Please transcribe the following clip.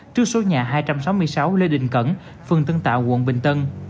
trước số nhà hai trăm sáu mươi sáu lê đình cẩn phường tân tạo quận bình tân